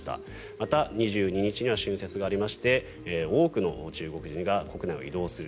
また、２２日には春節がありまして多くの中国人が国内を移動する。